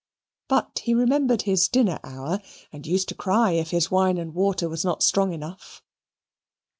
But he remembered his dinner hour, and used to cry if his wine and water was not strong enough.